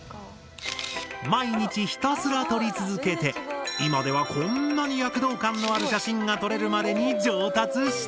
毎日ひたすら撮り続けて今ではこんなに躍動感のある写真が撮れるまでに上達した。